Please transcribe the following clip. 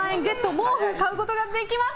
毛布を買うことができます。